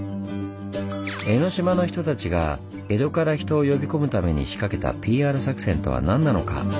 江の島の人たちが江戸から人を呼び込むために仕掛けたＰＲ作戦とは何なのか？